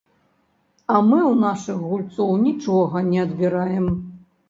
А мы ў нашых гульцоў нічога не адбіраем.